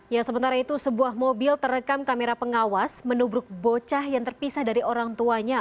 ya sementara itu sebuah mobil terekam kamera pengawas menubruk bocah yang terpisah dari orang tuanya